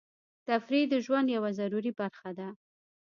تفریح د ژوند یوه ضروري برخه ده.